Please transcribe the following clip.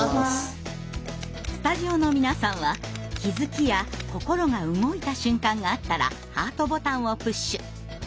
スタジオの皆さんは気づきや心が動いた瞬間があったらハートボタンをプッシュ。